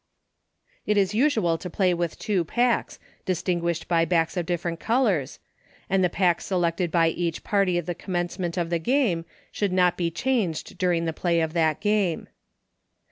It is usual to play with two packs, distin guished by backs of different colors, and the pack selected by each party at the commence ment of a game, should not be changed dur ing the play of that game.